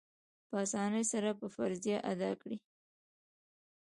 په آسانۍ سره به فریضه ادا کړي.